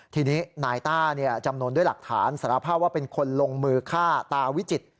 ทีนี้นายต้าจำนวนด้วยหลักฐานสารภาพว่าเป็นคนลงมือฆ่าตาวิจิตร